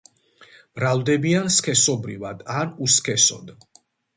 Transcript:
მრავლდებიან სქესობრივად და უსქესოდ.